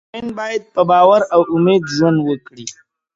مؤمن باید په باور او امید ژوند وکړي.